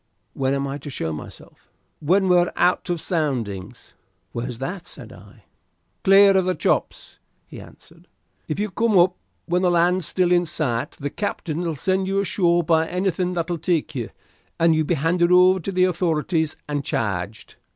"When am I to show myself?" "When we're out of Soundings." "Where's that?" said I. "Clear of the Chops," he answered. "If you come up when the land's still in sight the captain'll send you ashore by anything that'll take you, and you'll be handed over to the authorities and charged."